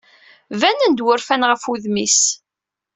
Banen-d wurfan ɣef wudem-is.